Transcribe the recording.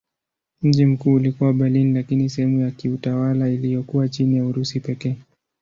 Mji mkuu ulikuwa Berlin lakini sehemu ya kiutawala iliyokuwa chini ya Urusi pekee.